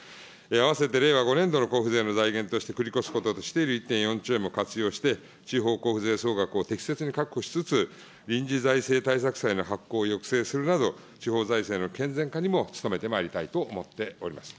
併せて令和５年度の財源の繰り越しとして１．４兆円を活用して、地方交付税総額を適切に確保しつつ、臨時財政対策債の発行を抑制するなど、地方財政の健全化にも努めてまいりたいと思っております。